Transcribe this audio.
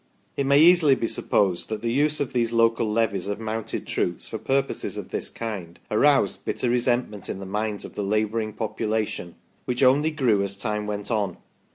^ It may easily be supposed that the use__of these Wai levies of "Amounted troops for purposes of this kind aroused bitter resentment in the minds of the labouring population, which only grew as time went on.